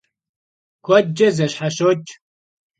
Kuedç'e zeşheşoç'.